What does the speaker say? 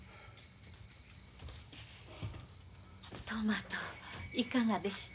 トマトいかがでした？